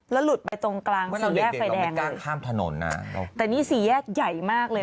แล้วหลุดไปตรงกลางสีแยกไฟแดงเลย